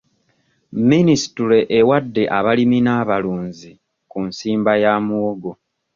Minisitule ewadde abalimilunzi ku nsimba ya muwogo.